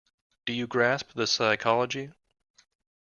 Do you grasp the psychology?